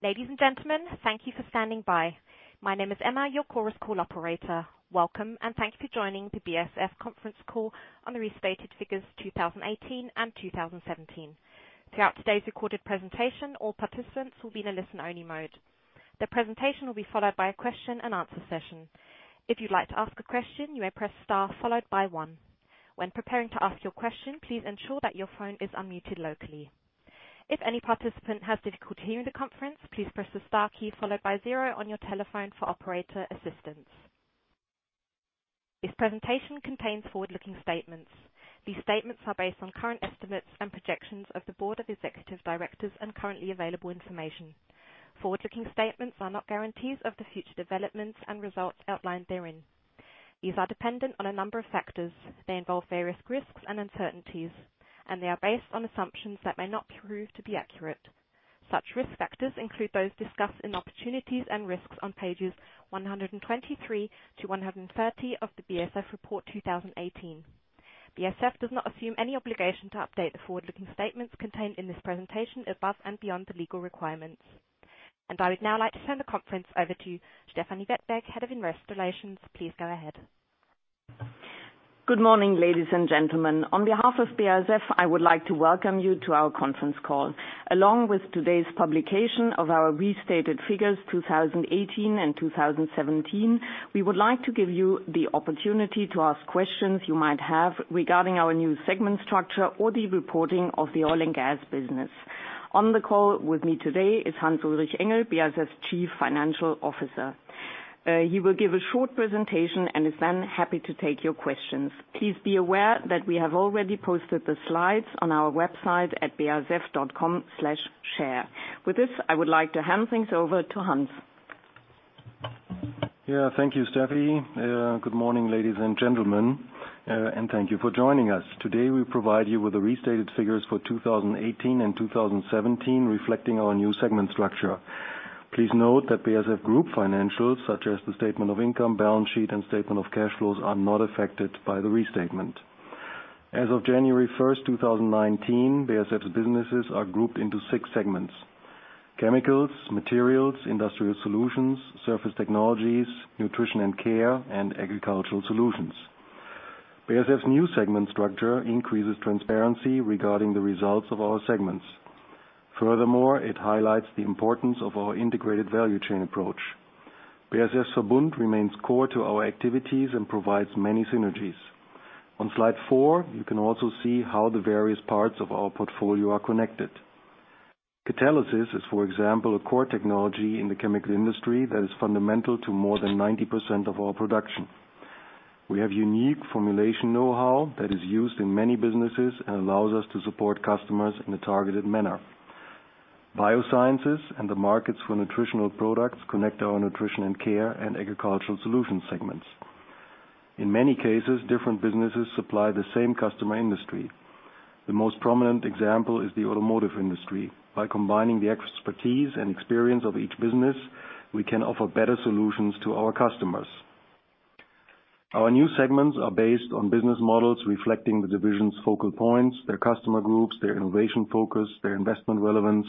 Ladies and gentlemen, thank you for standing by. My name is Emma, your Chorus Call operator. Welcome, and thank you for joining the BASF conference call on the restated figures 2018 and 2017. Throughout today's recorded presentation, all participants will be in a listen-only mode. The presentation will be followed by a question-and-answer session. If you'd like to ask a question, you may press star followed by one. When preparing to ask your question, please ensure that your phone is unmuted locally. If any participant has difficulty hearing the conference, please press the star key followed by zero on your telephone for operator assistance. This presentation contains forward-looking statements. These statements are based on current estimates and projections of the board of executive directors and currently available information. Forward-looking statements are not guarantees of the future developments and results outlined therein. These are dependent on a number of factors. They involve various risks and uncertainties, and they are based on assumptions that may not prove to be accurate. Such risk factors include those discussed in opportunities and risks on pages 123-130 of the BASF Report 2018. BASF does not assume any obligation to update the forward-looking statements contained in this presentation above and beyond the legal requirements. I would now like to turn the conference over to Stefanie Wettberg, Head of Investor Relations. Please go ahead. Good morning, ladies and gentlemen. On behalf of BASF, I would like to welcome you to our conference call. Along with today's publication of our restated figures 2018 and 2017, we would like to give you the opportunity to ask questions you might have regarding our new segment structure or the reporting of the oil and gas business. On the call with me today is Hans-Ulrich Engel, BASF's Chief Financial Officer. He will give a short presentation and is then happy to take your questions. Please be aware that we have already posted the slides on our website at basf.com/share. With this, I would like to hand things over to Hans. Yeah. Thank you, Stefanie. Good morning, ladies and gentlemen, and thank you for joining us. Today, we provide you with the restated figures for 2018 and 2017, reflecting our new segment structure. Please note that BASF group financials, such as the statement of income, balance sheet, and statement of cash flows, are not affected by the restatement. As of January 1st, 2019, BASF's businesses are grouped into six segments: Chemicals, Materials, Industrial Solutions, Surface Technologies, Nutrition & Care, and Agricultural Solutions. BASF's new segment structure increases transparency regarding the results of our segments. Furthermore, it highlights the importance of our integrated value chain approach. BASF's Verbund remains core to our activities and provides many synergies. On slide four, you can also see how the various parts of our portfolio are connected. Catalysis is, for example, a core technology in the chemical industry that is fundamental to more than 90% of our production. We have unique formulation knowhow that is used in many businesses and allows us to support customers in a targeted manner. Biosciences and the markets for nutritional products connect our Nutrition & Care and Agricultural Solutions segments. In many cases, different businesses supply the same customer industry. The most prominent example is the automotive industry. By combining the expertise and experience of each business, we can offer better solutions to our customers. Our new segments are based on business models reflecting the division's focal points, their customer groups, their innovation focus, their investment relevance,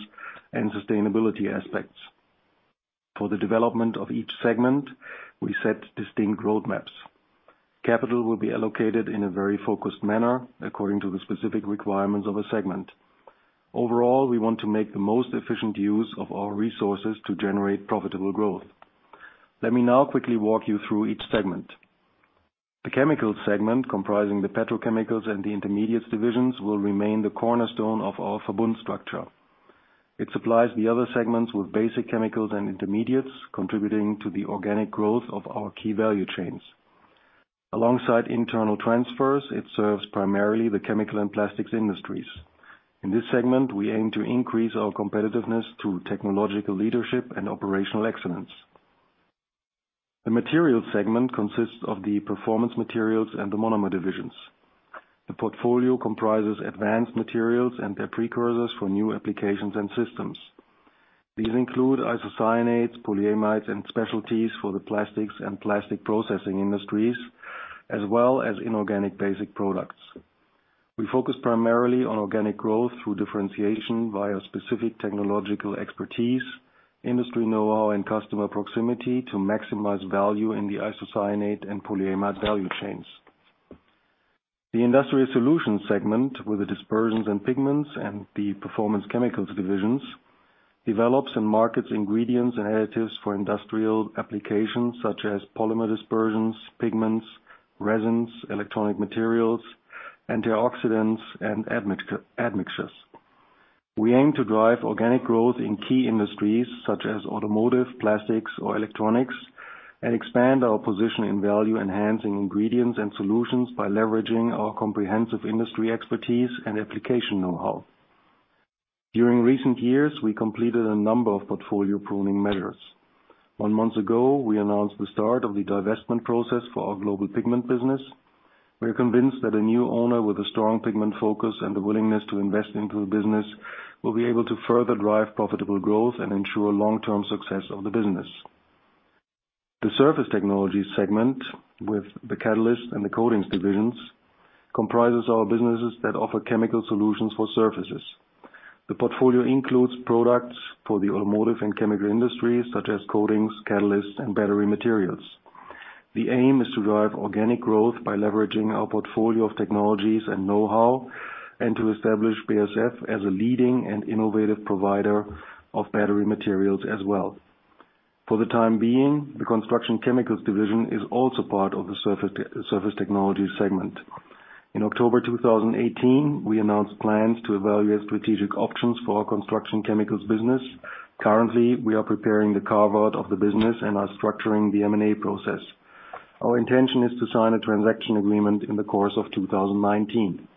and sustainability aspects. For the development of each segment, we set distinct roadmaps. Capital will be allocated in a very focused manner according to the specific requirements of a segment. Overall, we want to make the most efficient use of our resources to generate profitable growth. Let me now quickly walk you through each segment. The Chemicals segment, comprising the Petrochemicals and the Intermediates divisions, will remain the cornerstone of our Verbund structure. It supplies the other segments with basic chemicals and intermediates, contributing to the organic growth of our key value chains. Alongside internal transfers, it serves primarily the chemical and plastics industries. In this segment, we aim to increase our competitiveness through technological leadership and operational excellence. The Materials segment consists of the Performance Materials and the Monomers divisions. The portfolio comprises advanced materials and their precursors for new applications and systems. These include isocyanates, polyamides, and specialties for the plastics and plastic processing industries, as well as inorganic basic products. We focus primarily on organic growth through differentiation via specific technological expertise, industry knowhow, and customer proximity to maximize value in the isocyanate and polyamide value chains. The Industrial Solutions segment with the Dispersions & Pigments and the Performance Chemicals divisions, develops and markets ingredients and additives for industrial applications such as polymer dispersions, pigments, resins, electronic materials, antioxidants, and admixtures. We aim to drive organic growth in key industries such as automotive, plastics, or electronics, and expand our position in value-enhancing ingredients and solutions by leveraging our comprehensive industry expertise and application knowhow. During recent years, we completed a number of portfolio pruning measures. One month ago, we announced the start of the divestment process for our global pigment business. We are convinced that a new owner with a strong pigment focus and the willingness to invest into the business will be able to further drive profitable growth and ensure long-term success of the business. The Surface Technologies segment with the Catalysts and the Coatings divisions comprises our businesses that offer chemical solutions for surfaces. The portfolio includes products for the automotive and chemical industries, such as coatings, catalysts, and battery materials. The aim is to drive organic growth by leveraging our portfolio of technologies and know-how, and to establish BASF as a leading and innovative provider of battery materials as well. For the time being, the Construction Chemicals division is also part of the Surface Technologies segment. In October 2018, we announced plans to evaluate strategic options for our construction chemicals business. Currently, we are preparing the carve-out of the business and are structuring the M&A process. Our intention is to sign a transaction agreement in the course of 2019.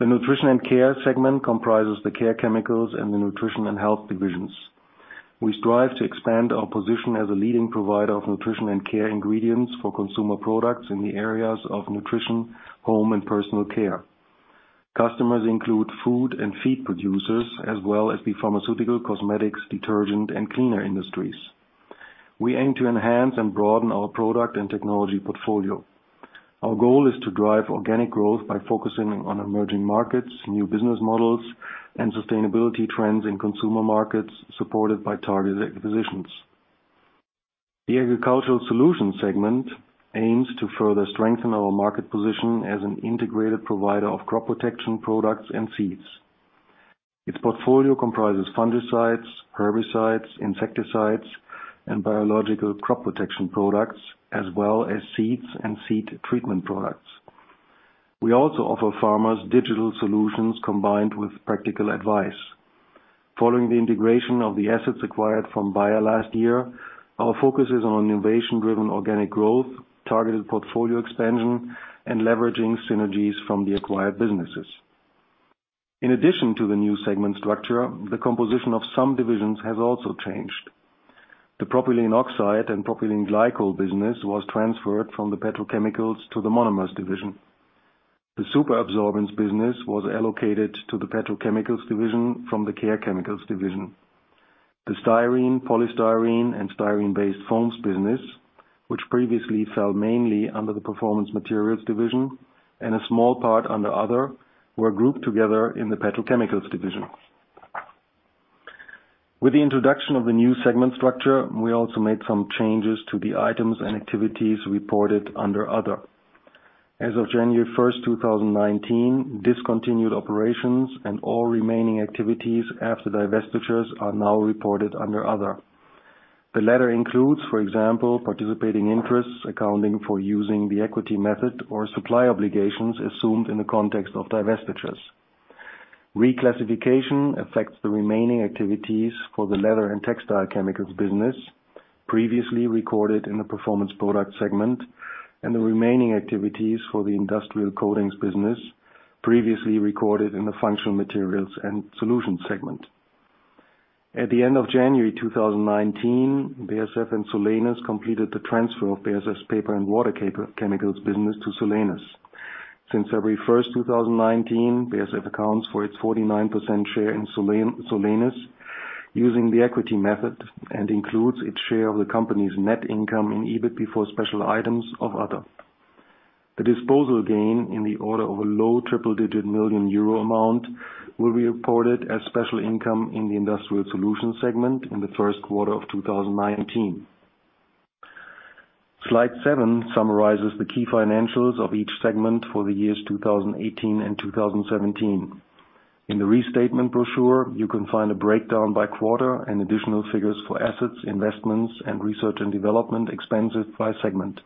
The Nutrition & Care segment comprises the Care Chemicals and the Nutrition & Health divisions. We strive to expand our position as a leading provider of nutrition and care ingredients for consumer products in the areas of nutrition, home and personal care. Customers include food and feed producers, as well as the pharmaceutical, cosmetics, detergent, and cleaner industries. We aim to enhance and broaden our product and technology portfolio. Our goal is to drive organic growth by focusing on emerging markets, new business models, and sustainability trends in consumer markets, supported by targeted acquisitions. The Agricultural Solutions segment aims to further strengthen our market position as an integrated provider of crop protection products and seeds. Its portfolio comprises fungicides, herbicides, insecticides, and biological crop protection products, as well as seeds and seed treatment products. We also offer farmers digital solutions combined with practical advice. Following the integration of the assets acquired from Bayer last year, our focus is on innovation-driven organic growth, targeted portfolio expansion, and leveraging synergies from the acquired businesses. In addition to the new segment structure, the composition of some divisions has also changed. The propylene oxide and propylene glycol business was transferred from the Petrochemicals to the Monomers division. The superabsorbents business was allocated to the Petrochemicals division from the Care Chemicals division. The styrene, polystyrene, and styrene-based foams business, which previously fell mainly under the Performance Materials division and a small part under other, were grouped together in the Petrochemicals division. With the introduction of the new segment structure, we also made some changes to the items and activities reported under other. As of January 1st, 2019, discontinued operations and all remaining activities after divestitures are now reported under other. The latter includes, for example, participating interests accounting for using the equity method or supply obligations assumed in the context of divestitures. Reclassification affects the remaining activities for the leather and textile chemicals business previously recorded in the Performance Products segment, and the remaining activities for the industrial coatings business previously recorded in the Functional Materials & Solutions segment. At the end of January 2019, BASF and Solenis completed the transfer of BASF's paper and water chemicals business to Solenis. Since February 1st, 2019, BASF accounts for its 49% share in Solenis using the equity method and includes its share of the company's net income in EBIT before special items of other. The disposal gain in the order of a low triple-digit million euro amount will be reported as special income in the Industrial Solutions segment in the first quarter of 2019. Slide seven summarizes the key financials of each segment for the years 2018 and 2017. In the restatement brochure, you can find a breakdown by quarter and additional figures for assets, investments, and research and development expenses by segment.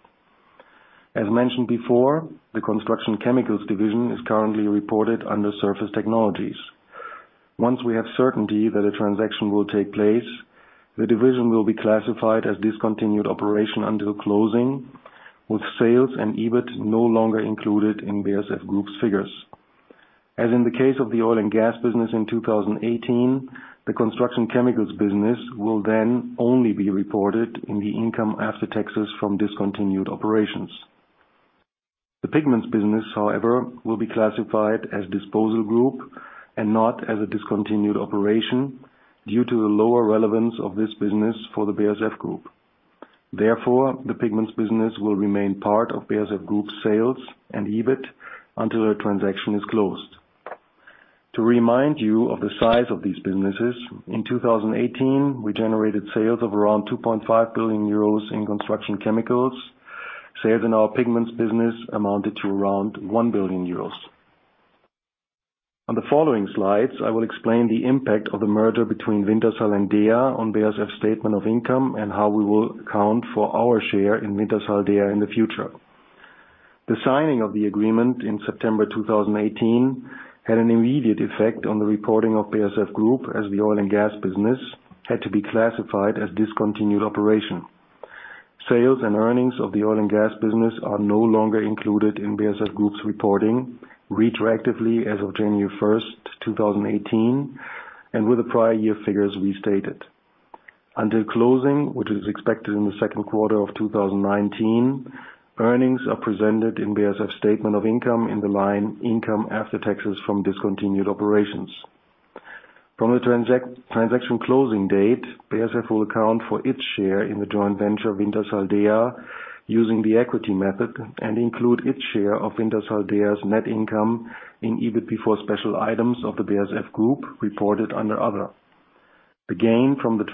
As mentioned before, the Construction Chemicals division is currently reported under Surface Technologies. Once we have certainty that a transaction will take place, the division will be classified as discontinued operation until closing, with sales and EBIT no longer included in BASF Group's figures. As in the case of the oil and gas business in 2018, the construction chemicals business will then only be reported in the income after taxes from discontinued operations. The pigments business, however, will be classified as disposal group and not as a discontinued operation due to the lower relevance of this business for the BASF Group. Therefore, the pigments business will remain part of BASF Group's sales and EBIT until the transaction is closed. To remind you of the size of these businesses, in 2018, we generated sales of around 2.5 billion euros in construction chemicals. Sales in our pigments business amounted to around 1 billion euros. On the following slides, I will explain the impact of the merger between Wintershall and DEA on BASF statement of income and how we will account for our share in Wintershall Dea in the future. The signing of the agreement in September 2018 had an immediate effect on the reporting of BASF Group, as the oil and gas business had to be classified as discontinued operation. Sales and earnings of the oil and gas business are no longer included in BASF Group's reporting retroactively as of January first, 2018, and with the prior year figures restated. Until closing, which is expected in the second quarter of 2019, earnings are presented in BASF statement of income in the line income after taxes from discontinued operations. From the transaction closing date, BASF will account for its share in the joint venture of Wintershall Dea using the equity method and include its share of Wintershall Dea's net income in EBIT before special items of the BASF Group reported under other. The gain from the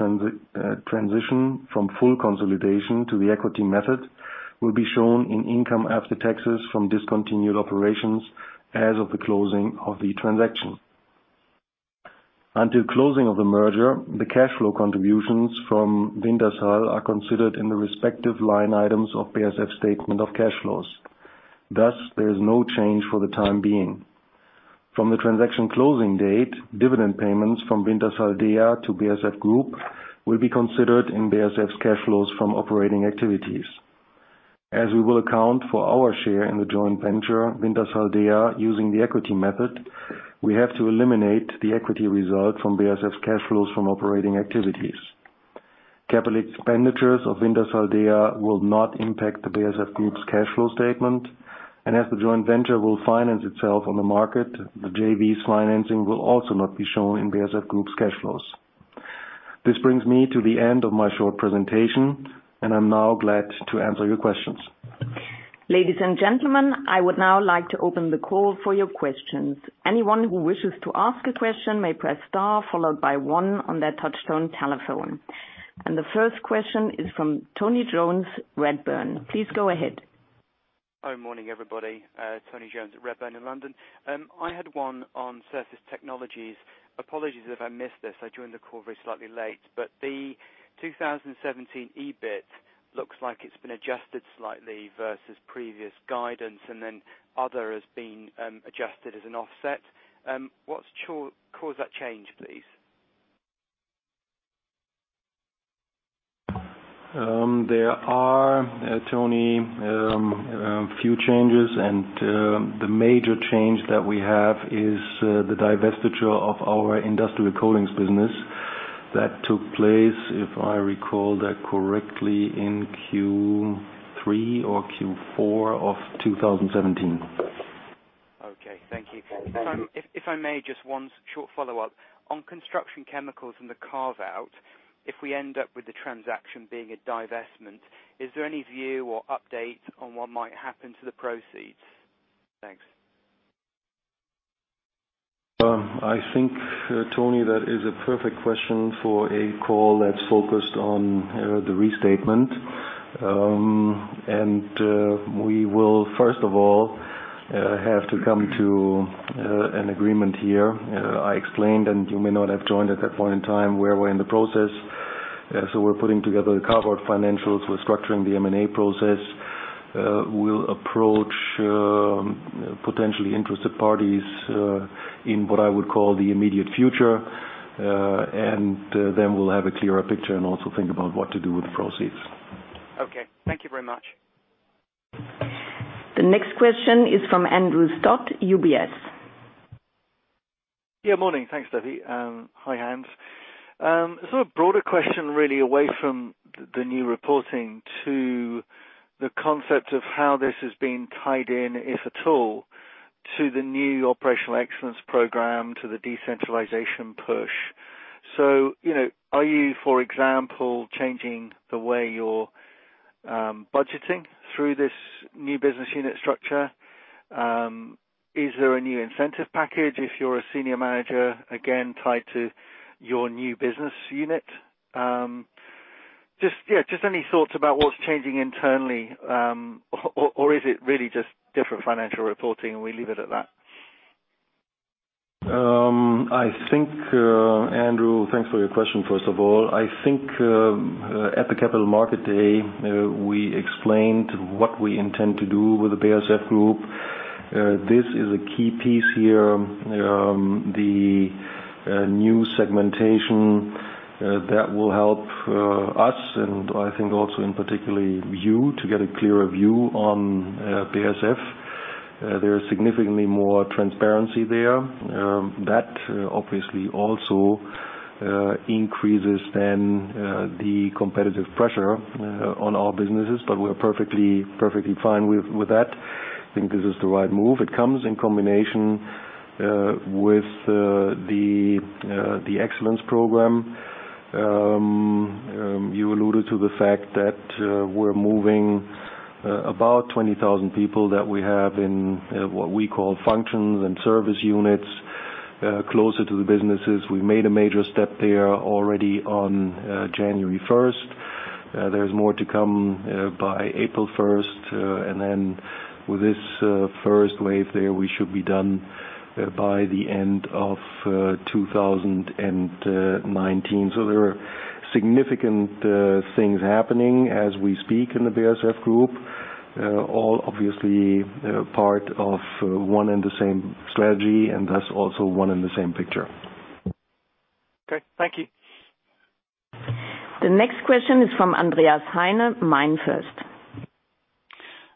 transition from full consolidation to the equity method will be shown in income after taxes from discontinued operations as of the closing of the transaction. Until closing of the merger, the cash flow contributions from Wintershall are considered in the respective line items of BASF statement of cash flows. Thus, there is no change for the time being. From the transaction closing date, dividend payments from Wintershall Dea to BASF Group will be considered in BASF's cash flows from operating activities. As we will account for our share in the joint venture, Wintershall Dea, using the equity method, we have to eliminate the equity result from BASF's cash flows from operating activities. Capital expenditures of Wintershall Dea will not impact the BASF Group's cash flow statement, and as the joint venture will finance itself on the market, the JV's financing will also not be shown in BASF Group's cash flows. This brings me to the end of my short presentation. I am now glad to answer your questions. Ladies and gentlemen, I would now like to open the call for your questions. Anyone who wishes to ask a question may press star followed by one on their touch-tone telephone. The first question is from Tony Jones, Redburn. Please go ahead. Hi. Morning, everybody. Tony Jones at Redburn in London. I had one on Surface Technologies. Apologies if I missed this. I joined the call very slightly late. The 2017 EBIT looks like it's been adjusted slightly versus previous guidance, and then other is being adjusted as an offset. What's caused that change, please? There are, Tony, a few changes. The major change that we have is the divestiture of our industrial coatings business that took place, if I recall that correctly, in Q3 or Q4 of 2017. Okay. Thank you. If I may, just one short follow-up. On construction chemicals and the carve-out, if we end up with the transaction being a divestment, is there any view or update on what might happen to the proceeds? Thanks. I think, Tony, that is a perfect question for a call that's focused on the restatement. We will, first of all, have to come to an agreement here. I explained, and you may not have joined at that point in time, where we're in the process. We're putting together the carve-out financials. We're structuring the M&A process. We'll approach potentially interested parties in what I would call the immediate future, then we'll have a clearer picture and also think about what to do with the proceeds. Okay. Thank you very much. The next question is from Andrew Stott, UBS. Yeah, morning. Thanks, Stefanie. Hi, Hans. Sort of broader question, really, away from the new reporting to the concept of how this is being tied in, if at all, to the new operational excellence program, to the decentralization push. Are you, for example, changing the way you're budgeting through this new business unit structure? Is there a new incentive package if you're a senior manager, again, tied to your new business unit? Just any thoughts about what's changing internally, or is it really just different financial reporting and we leave it at that? Andrew, thanks for your question, first of all. I think, at the Capital Market Day, we explained what we intend to do with the BASF Group. This is a key piece here. The new segmentation that will help us and I think also in particularly you to get a clearer view on BASF. There is significantly more transparency there. That obviously also increases then the competitive pressure on our businesses, but we're perfectly fine with that. I think this is the right move. It comes in combination with the excellence program. You alluded to the fact that we're moving about 20,000 people that we have in what we call functions and service units, closer to the businesses. We made a major step there already on January 1st. There's more to come by April 1st. With this first wave there, we should be done by the end of 2019. There are significant things happening as we speak in the BASF Group, all obviously part of one and the same strategy, and thus also one and the same picture. Okay. Thank you. The next question is from Andreas Heine, MainFirst.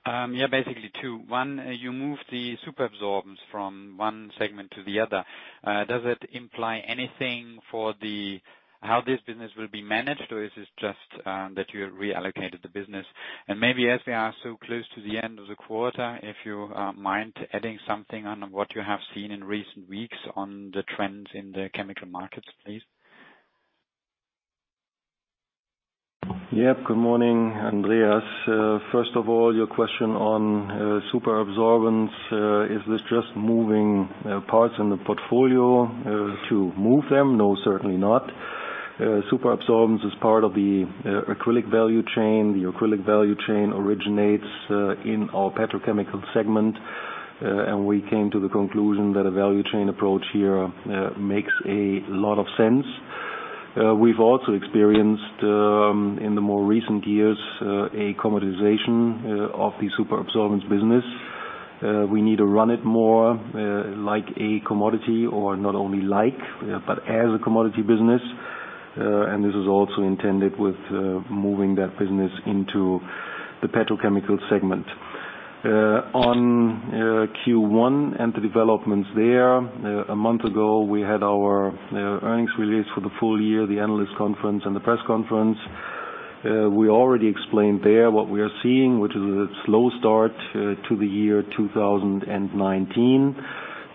Yeah. Basically two. One, you moved the superabsorbents from one segment to the other. Does it imply anything for how this business will be managed, or is this just that you reallocated the business? Maybe as we are so close to the end of the quarter, if you mind adding something on what you have seen in recent weeks on the trends in the chemical markets, please. Yep. Good morning, Andreas. First of all, your question on superabsorbents, is this just moving parts in the portfolio to move them? No, certainly not. Superabsorbents is part of the acrylic value chain. The acrylic value chain originates in our Petrochemicals segment, and we came to the conclusion that a value chain approach here makes a lot of sense. We've also experienced, in the more recent years, a commoditization of the superabsorbents business. We need to run it more like a commodity, or not only like, but as a commodity business. This is also intended with moving that business into the Petrochemicals segment. On Q1 and the developments there, a month ago, we had our earnings release for the full year, the analyst conference and the press conference. We already explained there what we are seeing, which is a slow start to the year 2019.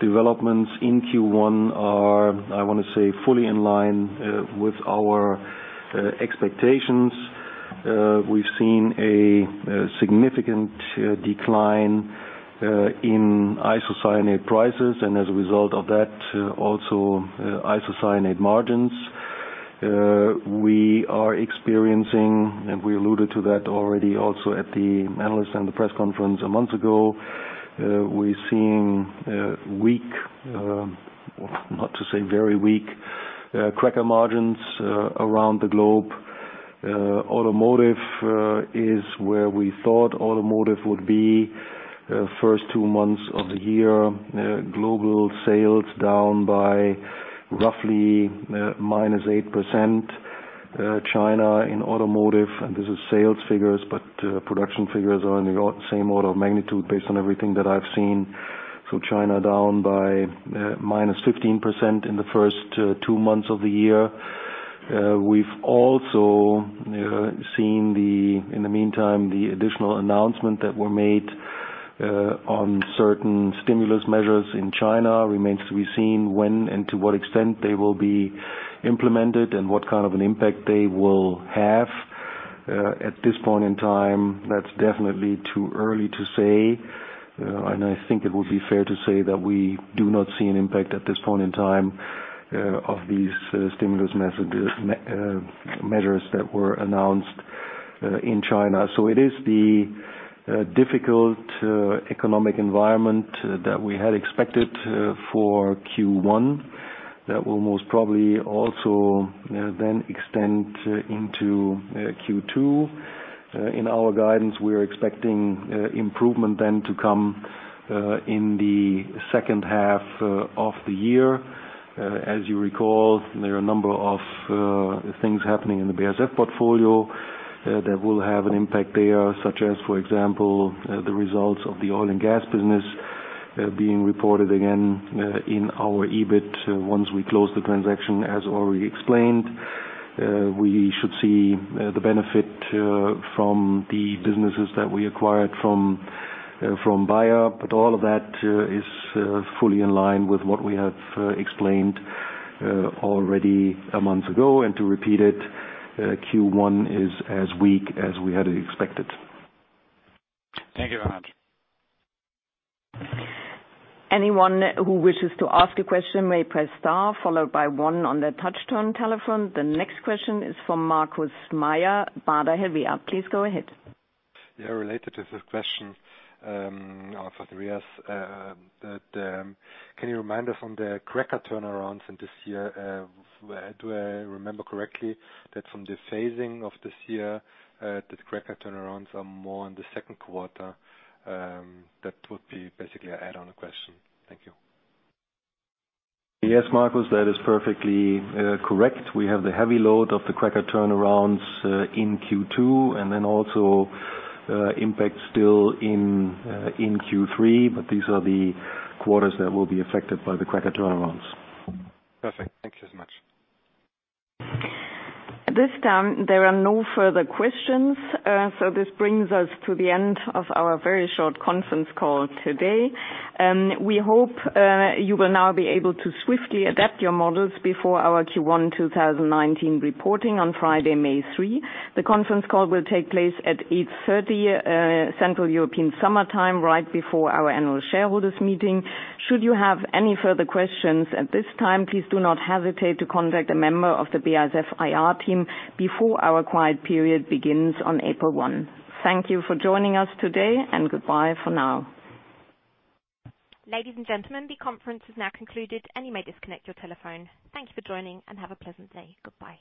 Developments in Q1 are, I want to say, fully in line with our expectations. We've seen a significant decline in isocyanate prices, as a result of that, also isocyanate margins. We are experiencing, we alluded to that already also at the analyst and the press conference a month ago, we're seeing weak, not to say very weak, cracker margins around the globe. Automotive is where we thought automotive would be first 2 months of the year. Global sales down by roughly -8%. China in automotive, and this is sales figures, but production figures are in the same order of magnitude based on everything that I've seen. China down by -15% in the first 2 months of the year. We've also seen, in the meantime, the additional announcement that were made on certain stimulus measures in China. Remains to be seen when and to what extent they will be implemented, what kind of an impact they will have. At this point in time, that's definitely too early to say, I think it would be fair to say that we do not see an impact at this point in time of these stimulus measures that were announced in China. It is the difficult economic environment that we had expected for Q1 that will most probably also then extend into Q2. In our guidance, we're expecting improvement then to come in the second half of the year. As you recall, there are a number of things happening in the BASF portfolio that will have an impact there, such as, for example, the results of the oil and gas business being reported again in our EBIT once we close the transaction, as already explained. We should see the benefit from the businesses that we acquired from Bayer. All of that is fully in line with what we have explained already a month ago. To repeat it, Q1 is as weak as we had expected. Thank you very much. Anyone who wishes to ask a question may press star followed by one on their touch-tone telephone. The next question is from Markus Mayer, Baader Helvea. Please go ahead. Related to the question for Andreas. Can you remind us on the cracker turnarounds in this year? Do I remember correctly that from the phasing of this year, that cracker turnarounds are more in the second quarter? That would be basically an add-on question. Thank you. Markus, that is perfectly correct. We have the heavy load of the cracker turnarounds in Q2, and then also impact still in Q3, but these are the quarters that will be affected by the cracker turnarounds. Perfect. Thank you so much. This time, there are no further questions, this brings us to the end of our very short conference call today. We hope you will now be able to swiftly adapt your models before our Q1 2019 reporting on Friday, May 3. The conference call will take place at 8:30 Central European Summer Time right before our annual shareholders meeting. Should you have any further questions at this time, please do not hesitate to contact a member of the BASF IR team before our quiet period begins on April 1. Thank you for joining us today, and goodbye for now. Ladies and gentlemen, the conference is now concluded. You may disconnect your telephone. Thank you for joining, have a pleasant day. Goodbye.